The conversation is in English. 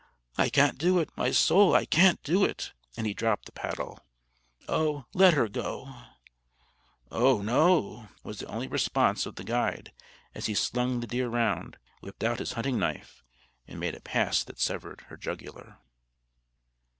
"I can't do it! my soul, I can't do it!" and he dropped the paddle. "Oh, let her go!" "Oh, no!" was the only response of the guide as he slung the deer round, whipped out his hunting knife, and made a pass that severed her jugular.